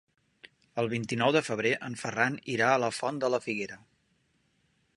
El vint-i-nou de febrer en Ferran irà a la Font de la Figuera.